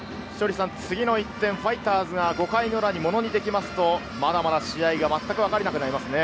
次の１点、ファイターズが５回の裏にものにできますと、まだまだ試合がまったくわからなくなりますね。